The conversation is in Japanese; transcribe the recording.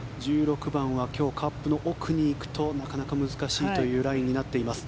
１６番は今日カップの奥に行くとなかなか難しいというラインになっています。